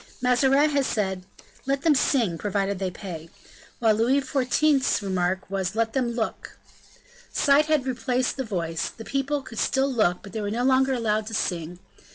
Mazarin had said: "Let them sing, provided they pay;" while Louis XIV.'s remark was, "Let them look." Sight had replaced the voice; the people could still look but they were no longer allowed to sing.